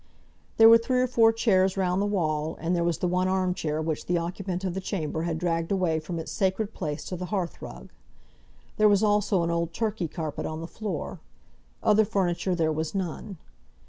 There were three or four chairs round the wall, and there was the one arm chair which the occupant of the chamber had dragged away from its sacred place to the hearth rug. There was also an old Turkey carpet on the floor. Other furniture there was none.